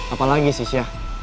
apalagi sih sya